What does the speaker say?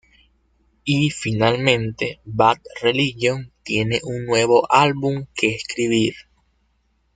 Y finalmente, Bad Religion tiene un nuevo álbum que escribir.